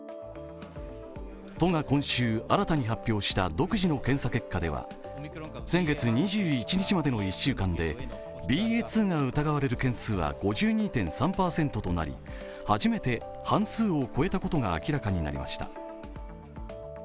都が今週新たに発表した独自の検査結果では先月２１日までの１週間で、ＢＡ．２が疑われる件数は５２．３％となり、初めて半数を超えたことが明らかになりました。